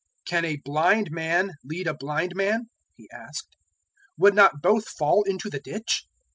"Can a blind man lead a blind man?" He asked; "would not both fall into the ditch?